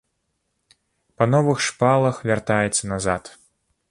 Па новых шпалах вяртаецца назад.